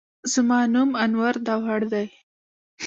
زما نوم انور داوړ دی